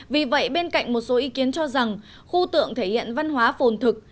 vì vậy bên cạnh một số ý kiến cho rằng khu tượng thể hiện văn hóa phồn thực